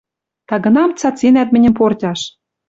Тагынам цаценӓт мӹньӹм портяш